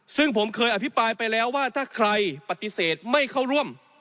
ซึ่งผมเคยอภิปรายไปแล้วว่าถ้าใครปฏิเสธไม่เข้าร่วม